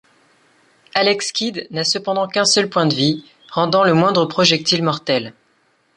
Alex Kidd n'a cependant qu'un seul point de vie, rendant le moindre projectile mortel.